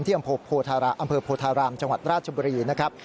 อำเภอโพธารามจังหวัดราชบุรีนะครับ